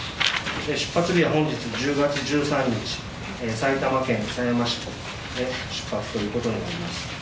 出発日は本日１０月１３日埼玉県狭山市を出発することになります。